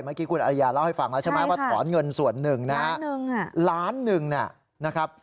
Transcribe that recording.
เมื่อกี้คุณอริยาเล่าให้ฟังแล้วใช่ไหมว่าถอนเงินส่วนหนึ่งนะฮะล้านหนึ่งนะครับ